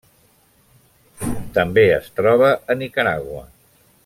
També es troba a Nicaragua.